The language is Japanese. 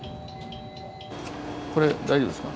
これ大丈夫ですか？